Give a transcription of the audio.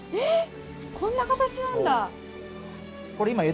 えっ、こんな形なんだ！？